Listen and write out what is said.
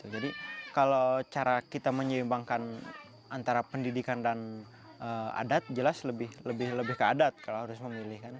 jadi kalau cara kita menyeimbangkan antara pendidikan dan adat jelas lebih ke adat kalau harus memilih